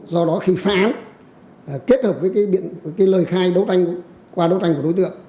do đó khi phán kết hợp với lời khai qua đấu tranh của đối tượng